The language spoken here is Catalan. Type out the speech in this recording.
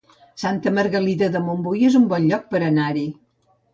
Santa Margarida de Montbui es un bon lloc per anar-hi